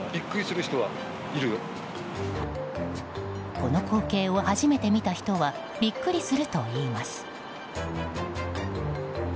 この光景を初めて見た人はビックリするといいます。